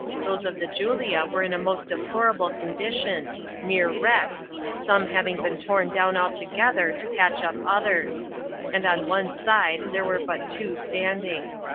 Those of the Julia were in a most deplorable condition, mere wrecks, some having been torn down altogether to patch up others ; and on one side there were but two standing.